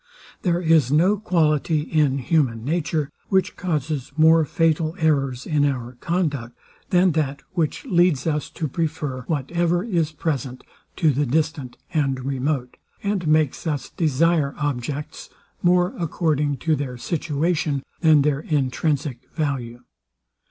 There is no quality in human nature, which causes more fatal errors in our conduct, than that which leads us to prefer whatever is present to the distant and remote, and makes us desire objects more according to their situation than their intrinsic value.